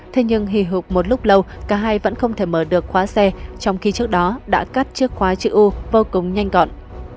thế nhưng hì hụt một lúc lâu cả hai vẫn không thể mở được khóa xe trong khi trước đó đã cắt chiếc khóa chữ u vô cùng nhanh gọn